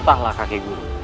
entahlah kakek guru